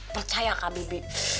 percaya kak bibi